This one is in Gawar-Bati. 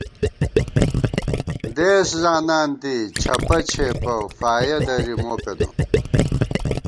دېس زانان دی چَھپہ چھېپہ فایَہ دری مو پېنہ